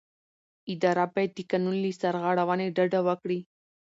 اداره باید د قانون له سرغړونې ډډه وکړي.